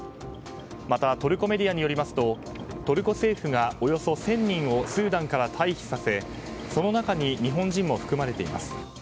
また、トルコメディアによりますとトルコ政府がおよそ１０００人をスーダンから退避させその中に日本人も含まれています。